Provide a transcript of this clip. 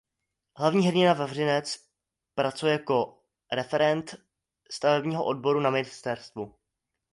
Hlavní hrdina Vavřinec pracuje jako referent stavebního odboru na ministerstvu.